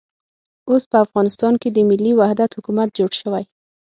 اوس په افغانستان کې د ملي وحدت حکومت جوړ شوی.